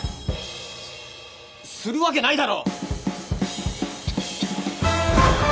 するわけないだろ！